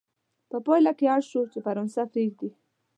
په پایله کې اړ شو چې فرانسه پرېږدي.